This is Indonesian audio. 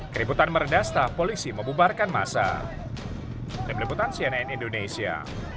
keributan meredasta polisi membubarkan masa